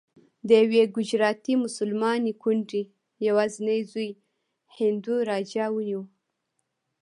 د یوې ګجراتي مسلمانې کونډې یوازینی زوی هندو راجا ونیو.